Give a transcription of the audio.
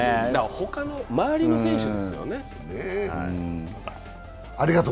他の周りの選手ですよね。